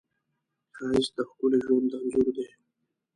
ښایست د ښکلي ژوند انځور دی